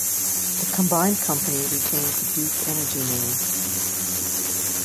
The combined company retains the Duke Energy name.